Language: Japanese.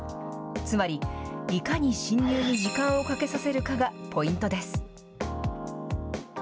つまり、いかに侵入に時間をかけさせるかがポイントです。